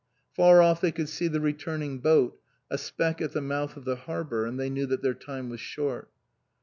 Far off they could see the returning boat, a speck at the mouth of the harbour, and they knew that their time was short.